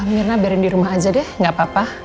mirna biarin di rumah aja deh gak apa apa